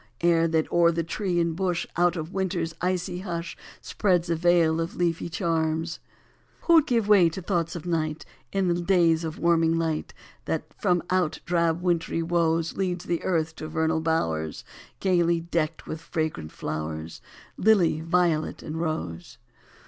Air that o er the tree and bush Out of winter s icy hush Spreads a veil of leafy charms? Who d give way to thoughts of night In the days of warming light That from out drab wintry woes Leads the earth to vernal bowers Gaily decked with fragrant flowers Lily, violet, and rose?